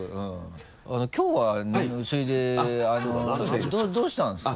きょうはそれでどうしたんですか？